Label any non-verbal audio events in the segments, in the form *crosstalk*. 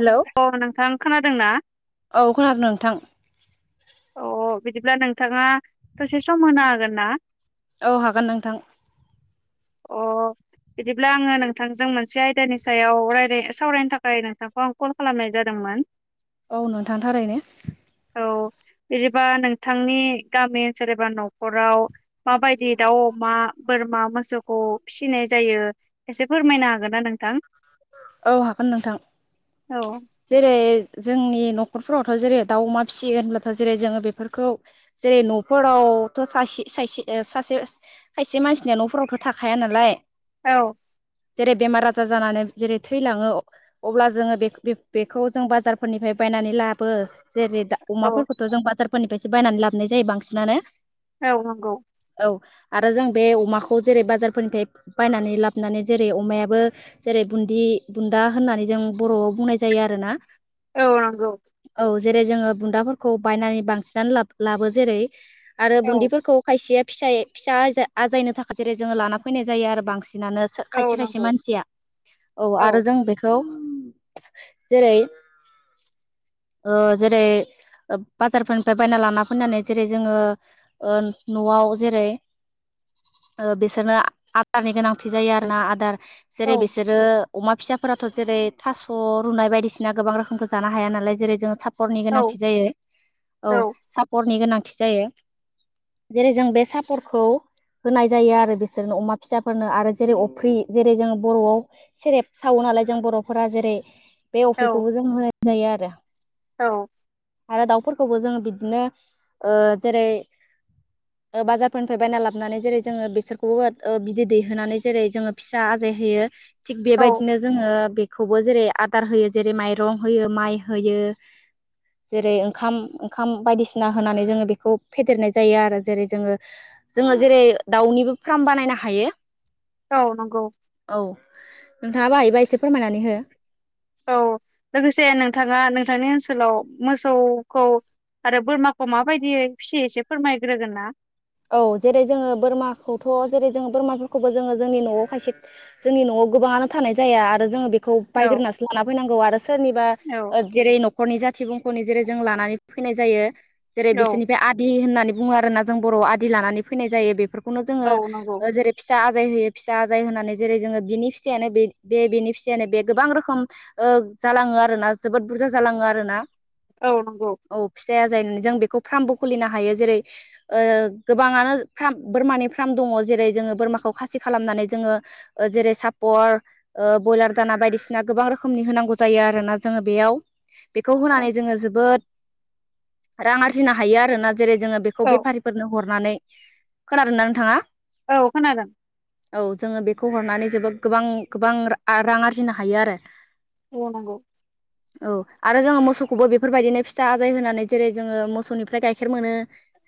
Hello अ नोंथां खोनादों ना औ खोनादों नोंथां अ बिदिब्ला नोंथाङा दसे सम होनो हागोन ना औ हागोन नोंथां अ बिदिब्ला आङो नोंथांजों मोनसे आयदानि सायाव रायलाय सावरायनो थाखाय नोंथांखौ आं कल खालामनाय जादोंमोन मान औ नोंथांथारैनो औ बिदिबा नोंथांनि गामि ओनसोल एबा नखराव माबायदि दाउ अमा बोर मा मोसौखौ फिसिनाय जायो एसे फोरमायनो हागोनना नोंथां औ हागोन नोंथां औ जेरै जोंनि नखरफोरावथ जेरै दाउ अमा फिसियो होनब्लाथ जेरै जोङो बेफोरखौ जेरै न'फोराव नआवथ सासे सायसे ओ सासे खायसे मानसिनिया न'फोरावथ थाखाया नालाय औ जेरै बेमार आजार जानानै जेरै थैलाङो अब्ला जोङो बे बेखौ जों बाजारफोरनिफ्राय बायनानै लाबो जेरै दा औ अमाफोरखौथ जों बाजारफोरनिफायसो बायनानै लाबोनाय जायो बांसिनानो। औ नंगौ। औ आरो जों बे अमाखौ जेरै बाजारफोरनिफ्राय बायनानै लाबोनानै जेरै अमायाबो जेरै बुन्दि बुन्दा होननानै जों बरआव बुंनाय जायो आरो ना। औ नंगौ। जेरै जोङो बुन्दाफोरखौ बायनानै बांसिनानो लाब लाबो जेरै आरो औ बुन्दिफोरखौ खायसे फिसाय फिसा आजायनो थाखाय जेरै जोङो लाना फैनाय जायो आरो बांसिन। बांसिनानो बिदिनो खायसे औ खायसे नंगौ मानसिया औ आरो जों बेखौ खौ जेरै ओ जेरै ओ बाजारफोरनिफाय बायना लाना फैनानै जेरै जोङो नआव जेरै *inaudible* ओ बिसोरनो आदारनि गोनांथि जायो आरोना आदार जेरै औ बिसोरो अमा फिसाफोराथ जेरै थास रुनाय बायदिसिना गोबां रोखोमखौ जानो हाया नालाय जेरै जोङो साफ सापरनि औ गोनांथि जायो औ सापरनि गोनांथि जायो। जेरै जों बे सापरखौ होनाय जायो आरो बिसोरनो अमा फिसाफोरनो आरो जेरै अफ्रि जेरै जोंङो बरआव सेरेब सावो। नालाय जों बरफोरा जेरै बे अफ्रिखौबो जों होनाय जायो आरो। औ आरो दाउफोरखौबो जोङो बिदिनो ओ जेरै ओ बाजारफोरनिफाय बायना लाबनानै जेरै जोङो बेसोरखौबो ओ बिदै दैहोनानै जेरै जोङो फिसा होयो थिग औ बेबायदिनो जोङो बेखौबो जेरै आदार होयो जेरै माइरं होयो माइ होयो। जेरै ओंखाम ओंखाम बायदिसिना होनानै जोङो बेखौ फेदेरनाय जायो आरो जेरै जोङो जोङो जेरै दाउनिबो फ्राम बानायनो हायो। औ नंगौ। नोंथाङा बो हायोबा एसे फोरमायनानै हो। औ लोगोसे नोंथाङा नोंथांनि ओनसोलाव मोसौखौ आरो बोरमाखौ माबायदियै फियो एसे फोरमायग्रोगोन ना? औ जेरै जोङो बोरमाखौथ' जेरै जोङो बोरमाफोरखौबो जोङो जोंनि न'आव खायसे जोंनि न'आव गोबांनो थानाय जाया आरो जों बेखौ औ बायग्रोनासो लाना फैनांगौ आरो सोरनिबा औ जेरै नख खरनि जाथि बुंखनि जेरै जों लानानै फैनाय जायो जेरै औ बिसोरनिफ्राय आदि होनना बुंओ आरोना जों बर'आव आदि लानानै फैनाय जायो बेफोरखौनो औ जोङो नंगौ जेरै फिसा आजाय होयो फिसा आजाय होनानै जेरै जोङो बिनि फिसायानो बे बे बिनि फिसायानो बे गोबां रोखोम ओ जालाङो आरोना जोबोद बुरजा जालाङो आरोना। औ नंगौ। औ फिसाया जों बेखौ फार्मबो खुलिनो हायो जेरै ओ गोबाङानो फार्म बोरमानि फार्म दङ जेरै जोङो बोरमाखौ खासि खालामनानै जोङो ओ जेरै सापर ओ बयलार दाना बायदिसिना गोबां रोखोमनि होनांगौ जायो आ आरोना जोङो बेयाव। बेखौ होनानै जोङो जोबोद रां आरजिनो हायो आरोना। जेरै जोङो बेखौ औ बेफारिफोरनो हरनानै खोनादोंना नोंथाङा? औ खोनादों। औ जोङो बेखौ हरनानै जोबोद गोबां गोबां आ रां आरजिनो हायो आरो। बुंनांगौ। औ आरो जोङो मोसौखौबो बेफोरबायदिनो फिसा आजाय होनानै जेरै जोङो मोसौनिफ्राय गायखेर मोनो।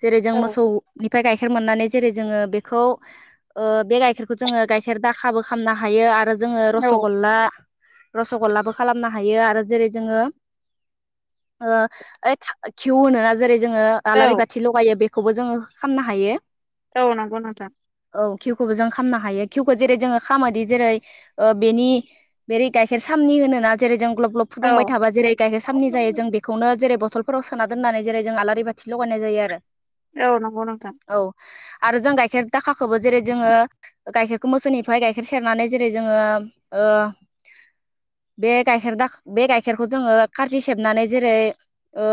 जेरै जों औ मोसौ निफ्राय गायखेर मोननानै जेरै जोङो बेखौ ओ बे गायखेरखौ जोङो गायखेर दाखाबो खालामनो हायो आरो जोङो औ रस'गल्ला रस'गल्लाबो खालामनो हायो आरो जेरै जोङो ओ ऐ खिउ होनो जेरै जोङो आलारि औ बाथि लगायो बेखौबो जोङो खालामनो हायो‌। औ नंगौ नोंथां। औ खिउखौबो जों खालामनो हायो खिउखौ जेरै जोङो खालामोदि जेरै ओ बेनि बेेरै गायखेर सा नि होनोना जेरै जों ग्लब ग्लब औ फुदुंबाय थाबा जेरै गायखेर औ सामनि जायो जों बेखौनो जेरै बटलफोराव सोना दोननानै जेरै जों आलारि बाथि लगायनाय जायो आरो। औ नं औ। आरो जों गायखेर दाखाखौबो जेरै जोङो गायखेरखौ मोसौनिफ्राय गायखेर सेरनानै जेरै जोङो ओ *inaudible* बे गायखेर दा बे गायखेरखौ जोङो खारजि सेबनानै जेरै ओ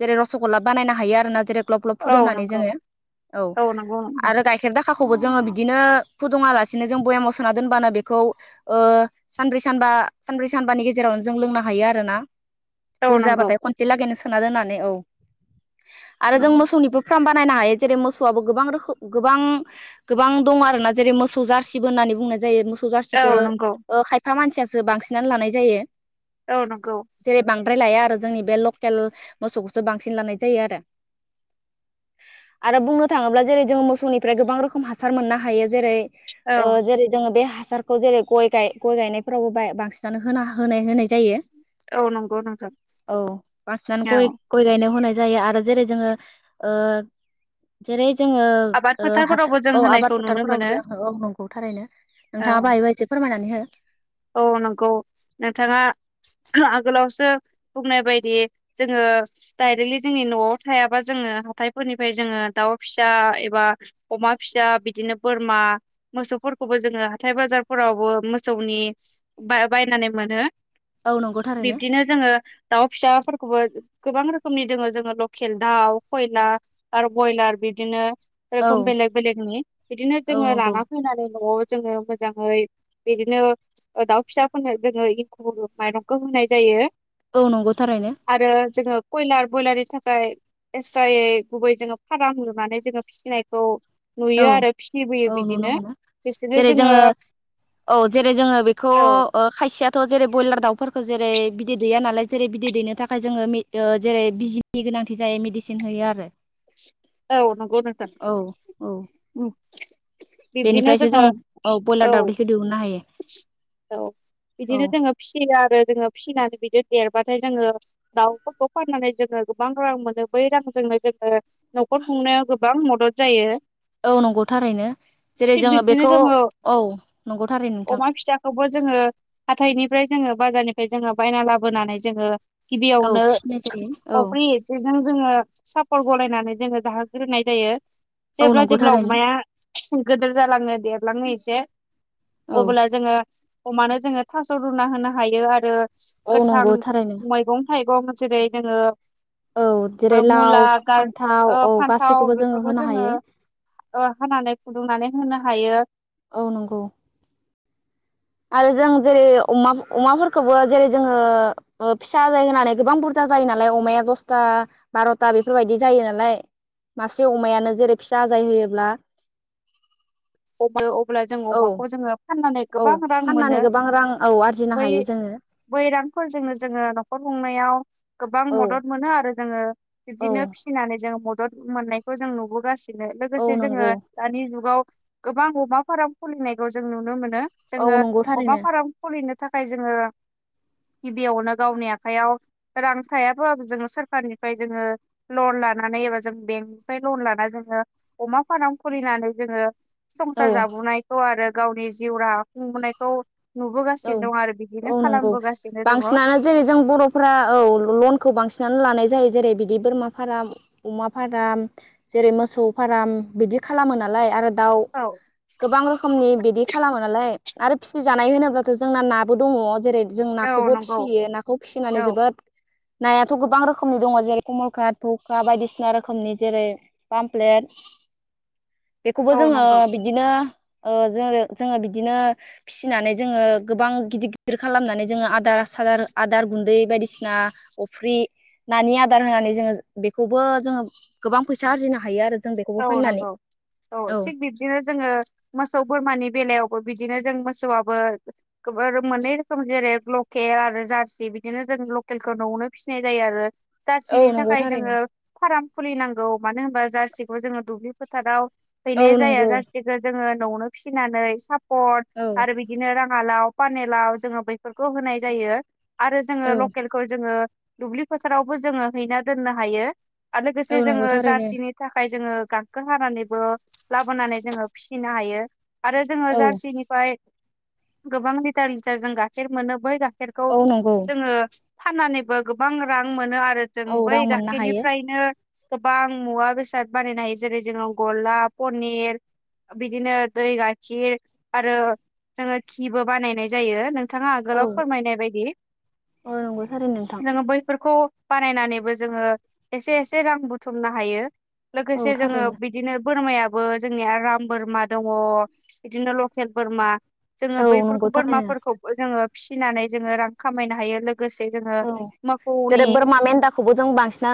जेरै रस'गल्ला बानायनो हायो आरोना जेरै ग्लब ग्लब औ फुदुंनानै नंगौ जोङो औ नंगौ नोंथां आरो गायखेर दाखा खौबो जोंओ बिदिनो फुदुंआलासिनो जोंओ बयामाव सोना दोनबानो बेखौ ओ सानब्रै सानबा आ सानब्रै सानबानि गेजेरावनो जों लोंनो हायो आरोना। औ नंगौ बुरजाबाथाय खनसे लागैनो सोना दोननानै औ आरो जों नंगौ मोसौनिबो फ्राम बा जेरै मोसौआबो गोबां रोखोम गोबां गोबां दङ आरोना जेरै मोसौ जारसिबो होननानै बुंनाय जायो मोसौ सौ औ जारसिखौ नंगौ ओ खायफा मानसियासो बांसिनानो लानाय जायो। औ नंगौ। दा जोंनि बे लकेल मोसौखौसो बांसिन लानाय जायो आरो। आरो बुंनो थाङोब्ला जेरै जोंङ मोसौनिफ्राय गोबां रोखोम हासार मोननो हायो जेरै औ ओ जेरै जोङो बे हा हासारखौ जेरै गया गाय गय गायनायफोरावबो बा-बांसिनानो होना होनाय होनाय जायो। औ नंगौ नोंथां औ बासनानै गय औ गय गायनायाव होनाय जायो आरो जेरै जोङो ओ जेरै जोङो आबाद ओ हासार फोथारफोरावबो जों औ होनायखौ आबाद नुनो फोथारफोरावबो मोनो जों औ नंगौ थारैनो। नोंथाङाबो औ हायोबा एसे फोरमायनानै हो। औ नंगौ नोंथाङा आगोलावसो बुंनाय बायदि जोङो डायरेक्टलि जोंनि न'आव थायाबा जोङो ओ हाथाय फोरनिफाय जोनों दाउ फिसा एबा अमा फिसा बिदिनो बोरमा मोस मोसौफोरखौबो जोंङो हाथाय बाजारफोरावबो मोसौनि। बायनानै मोनो औ नंगौ थारैनो बिब्दिनो जोंङो दाउ फिसाफोरखौबो। गोबां रोखोमनि दङ जोंङो लकेल दाउ खयलार आरो बयलार बिदिनो। औ जेरोखोम बेलेग बेलेगनि बिदिनो औ जोंङो नंगौ लाना फैनानै नआव। जोंङो मोजांङै बिदिनो। दाउ फिसाफोरनो जोंङो एंखुर माइरंखौ होनाय जायो। औ नंगौ थारैनो। बयलार बयलारनि थाखाय एसट्रायै गुबैयै जोंङो फाराम लुनानै जोंङो फिसिनायखौ। औ नुयो आरो फिसिबोयो औ नुनो बिदिनो मोनो बिसोरनो जेरै जोङो जोंङो औ जेरै जोंङो बे। बे औ खायसेयाथ जेरै बयलार दाउफोरखौ। खौ जेरै बिदै दैया नालाय जेरै बिदै दैनो थाखाय जोंङो जेरै बिजिनि गोनांथि जायो मेडिसिन होयो आरो। औ नंगौ नोंथां। औ औ। बिब्दिनो बेनिफ्रायसो जोंङो जों बयलार औ। दावदैखौ दिहुननो हायो औ औ बिदिनो जोंङो फियो आरो जोंङो फिसिनानै बिदिनो। देरबाथाय जोंङो दाउफोरखौ फाननानै जोंङो गोबां रां मोनो बै रांजोंनो जोंङो। नखर खुंनायाव गोबां मदद जायो। औ नंगौ थारैनो जेरै थिग जोंङो बिब्दिनो बेखौ जोङो औ नंगौ। थारैनो नोंथां अमा फिसाखौबो जोंङो हाथायनिफ्राय जोंङो। बाजारनिफ्राय जोंङो बायना लाबोनानै जोंङो औ गिबियावनो फिसिनाय जायो औ अफ्रि एसे। जों जोंङो सापर्ट गलायनानै जोंङो जाहोग्रोनाय जायो। औ जेब्ला नंगौ जेब्ला थारैनो अमाया गिदिर जालांङो देरलांङो एसे। औ अब्ला जोंङो अमानो जोंङो थास रुना होनो हायो आरो। औ गोथां नंगौ थारैनो मैगं थाइगं जेरै जोंङो। औ जेरै लाव मुला गाज फान्थाव ओ औ फान्थाव गासैखौबो जोङो बेफोरखौ होनो जोंङो। हायो ओ होनानै फुदुंनानै होनो हायो। औ नंगौ आरो जों जेरै अमा अमाफोरखौबो जेरै जोंङो फिसा जायो होननानै गोबां बुरजा। जायो नालाय अमाया दसथा बारथा बेफोरबायदि जायो नालाय। मासे अमायानो जेरै फिसा आजाय होयोब्ला। अमा अब्ला जों औ अमाखौ जोंङो फाननानै औ गोबां रां मोनो। फाननानै गोबां रां औ आरजिनो बै हायो जोङो बै रांफोरजोंनो जोंङो नखर खुंनायाव। गोबां औ मदद मोनो आरो जोंङो औ बिदिनो फिसिनानै जोंङो मदद मोननायखौ जों नुबोगास सिनो औ लोगोसे जोंङो नंगौ दानि जुगाव गोबां अमा फार्म खुलिनायखौ जों नुनो मोनो। औ ज्ङो नंगौ अमा थारैनो फार्म खुलिनो थाखाय जोंङो। गिबियावनो गावनि आखयाव रां थायाबो जोंङो सरखारनिफ्राय जोंङो लन। लानानै एबा जों बेंकनिफ्राय लन लाना जोंङो अमा फार्म खुलिनानै जोंङो। औ संसार जाबोनायखौ आरो गावनि जिउ राहा खुंबोनायखौ औ नुबोगासिनो दं आरो। औ बिदिनो नंगौ खालामबोगासिनो दङ बांसिनानो जेरै जों बरफोरा औ लनखौ बांसिनानो लानाय। जायो जेरै बिदि बोरमा फार्म अमा फार्म जेरै मोसौ फार्म बिदि खालामो नालाय आरो। दाउ औ गोबां रोखोमनि बिदि खालामो नालाय आरो फिसि जानाय होनोबा जोंना नाबो दङ जेरै जों औ नाखौबो नंगौ फिसियो नाखौ फिसिनानै औ जोबोद। नायाथ गोबां रोखोमनि दङ जेरै कमलकात भखुवा बायदिसिना रोखोमनि जेरै पामफ्लेट। *inaudible* बेखौबो औ जोंङो नंगौ बिदिनो ओ जोंङो बिदिनो फिसिनानै जोंङो। गोबां गिदिर गिदिर खालामनानै जोंङो आदार सादार आदार गुन्दै बायदिसिना अफ्रि। नानि आदार होनानै जोंङो बेखौबो जोंङो गोबां फैसा आरजिनो हायो आरो। जों बेखौबो औ फाननानै नंगौ औ थिग बिबदिनो जोंङो मोसौ बोरमानि बेलायावबो बिद बिदिनो जों मोसौआबो मोननै रोखोम जेरै लकेल आरो जारसि बिदिनो जों लक लकेलखौ नआवनो फिसिनाय जायो आरो। औ जारसिनि नंगौ थाखाय थारैनो जोंङो फार्म खुलिनांगौ मानो होनबा जारसिखौ जोंङो दुब्लि फोथाराव। औ हैनाय जाया नंगौ जासिखौ जोङो न'आवनो फिसिनानै सापट औ आरो बिदिनो राङालाव पानेलाव जोङो बैफोरखौ होनाय जायो आरो जोङो औ लकेलखौ जोङो। दुब्लि फोथारावबो जोङो हैना दोननो हायो आरो औ लोगोसे नंगौ जोङो थारैनो जारसिनि थाख जोङो गांखो हानानैबो लाबोनानै जोङो फिसिनो हायो। आरो जोङो औ जारसिनिफ्राय गोबां लिटार लिटार जों गाइखेर मोनो बै गा केरखौ औ नंगौ जोङो फाननानैबो गोबां रां मोनो आर रो जों औ बै रां मोननो हायो गाखेरनिफ्रायनो गोबां मुवा बेस साथ बानायनो हायो जेरै जोंङो गला पनिर बिदिनो दै गाइखिर आरो जोङो खि बो बानायनाय जायो नों नोंथाङा औ आगोलाव फोरमायनाय बायदि औ नंगौ थारैनो नोंथां जोङो बैफोरखौ। बानायनानैबो जोङो एसे एसे रां बुथुमनो हायो औ लोगोसे जोङो थारैनो बिदिनो बोरमायाबो जोंनिया राम बोरमा दङ बिदिनो लकेल बोरमा। जोङो औ नंगौ बैफोरखौ थारैनो बोरमाफोरखौ जोङो फिसिनानै जोङो रां खामायनो हायो लोग औ जेरै बोरमा मेन्दाखौबो जों बांसिना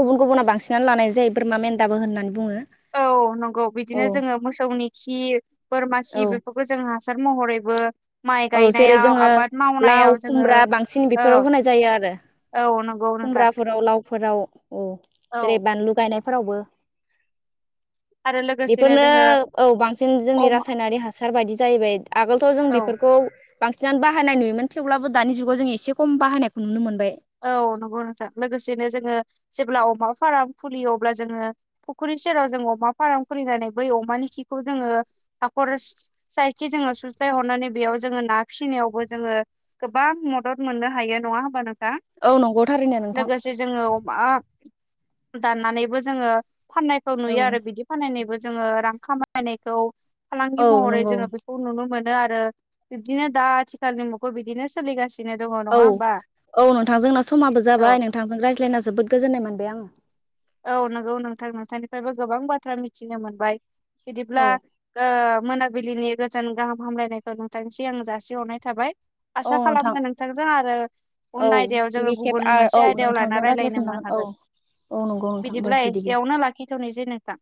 गुबुन गुबुन बांसिन लानाय जायो बोरमा मेन्दाबो होननानै बुङो। औ नंगौ औ बिदिनो जोङो मोसौनि खि बोरमा औ खि बेफोरखौ जोंङो। हासार महरैबो माइ औ जेरै गायनायाव जोङो आबाद लाव मावनायाव जोङो खुमब्रा बांसिन औ। बेफोराव होनाय जायो औ नोंगौ नोंथां। फोराव औ जेरै औ बानलु गायनायफोरावबो। आरो लोगोसेनो बेफोरनो जोङो औ बांसिन जोंनि अमा रासायनारि हासार बायदि जाहैबाय आगोलथ' जों औ बेफोर बांसिनानो बाहायनाय नुयोमोन थेवब्लाबो दानि जुगाव जों एसे खम बाहायनायखौ नुनो मोनबाय। औ नंगौ नोंथां लोगोसेनो जोङो जेब्ला अमा फार्म फुलियो अब्ला जोङो फुख्रि सेराव जों अमा फार्म खुलिनानै बै अमानि खिखौ जोङो हाखर साइखि जों सु स्लाय हरनानै बेयाव जोङो ना फिसिनायावबो जोङो गोबां मदद मोननो हायो नङा होमबा नोंथां। औ नंगौ थारैनो नोंथां लोगोसे जोङो अमा दाननानैबो जोङो फाननायखौ नुयो आरो। बिदि फाननायनिबो जोङो रां खामायनायखौ फालांगि औ महरै नंगौ जोङो बेखौ नुनो मोन ओ आरो बिदिनो दा आथिखालनि मुगायाव बिदिनो सोलिगासिनो दङ नङा औ होमबा। औ नोंथां जोंना समाबो औ जाबाय नोंथांजों रायज्लायना जोबोद गोजोननाय मोनबाय आङो। औ नंगौ नोंथां नोंथांनिफ्रायबो गोबां बाथ्रा मिथिनो मोनबाय। बिदिब्ला औ ओ मोनाबिलिनि गोजोन गाहाम हामलायनायखौ नोंथांनिस आं जासिहरनाय थाबाय। औ आसा नोंथां खालामो नोंथांजों आरो औ उन आयदायाव जोङो गिबि खेब गुबुन आरो औ मोनसे आयदायाव लाना नोंथांजों रायज्लायनो मो रायज्लायफिनजागोन औ हागोन। औ नं बिदिब्ला एसेयावनो लाखिथ'नोसै नोंथां।